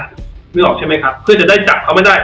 นึกออกใช่ไหมครับเพื่อจะได้จับเขาไม่ได้